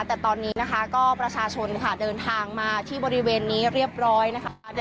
แต่ตอนนี้นะคะก็ประชาชนค่ะเดินทางมาที่บริเวณนี้เรียบร้อยนะคะ